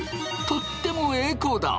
とってもエコだ。